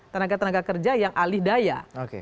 tenaga tenaga kerja yang alih daya